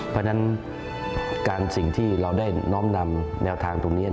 เพราะฉะนั้นสิ่งที่เราได้น้อมนำแนวทางตรงนี้